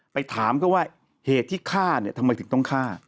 ไปถามเขาว่าเหตุที่ฆ่าเนี่ยทำไมถึงต้องฆ่า